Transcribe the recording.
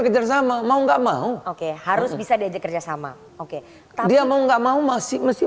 kerjasama mau nggak mau oke harus bisa diajak kerjasama oke tapi dia mau nggak mau masih mesti